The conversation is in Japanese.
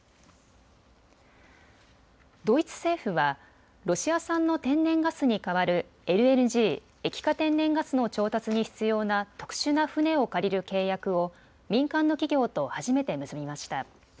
ドイツ政府はロシア産の天然ガスに代わるＬＮＧ・液化天然ガスの調達に必要な特殊な船を借りる契約を民間の企業と初めて結びました。